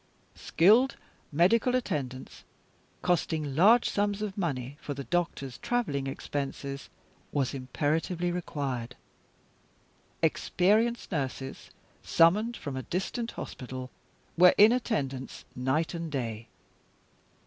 Skilled medical attendance, costing large sums of money for the doctors' traveling expenses, was imperatively required. Experienced nurses, summoned from a distant hospital, were in attendance night and day.